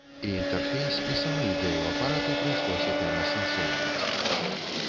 І інтэрфейс, і саму ідэю апарату прыйшлося пераасэнсоўваць.